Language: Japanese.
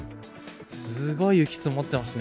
すごい雪、積もっていますね。